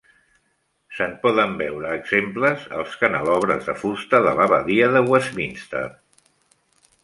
Se'n poden veure exemples als canelobres de fusta de l'Abadia de Westminster.